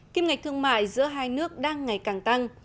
kim ngạch thương mại giữa hai nước đang ngày càng tăng